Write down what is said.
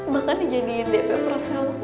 bahkan dijadiin dp profile whatsapp lo